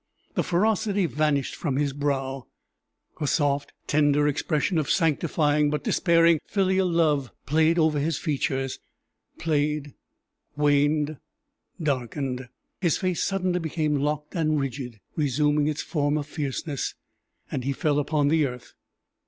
The ferocity vanished from his brow; a soft, tender expression of sanctifying but despairing filial love played over his features played waned darkened! His face suddenly became locked and rigid, resuming its former fierceness. He fell upon the earth.